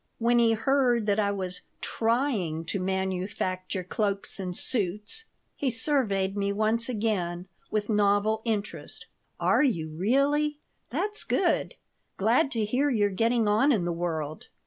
When he heard that I was "trying to manufacture cloaks and suits" he surveyed me once again, with novel interest "Are you really? That's good. Glad to hear you're getting on in the world."